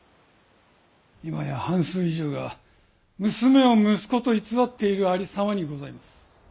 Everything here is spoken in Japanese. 今や半数以上が娘を息子と偽っているありさまにございます。